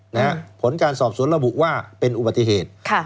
เหรอฺฝึนการสอบสวนระบุว่าเป็นอุบัติเหตุ